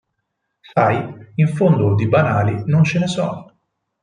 Sai, in fondo di banali non ce ne sono.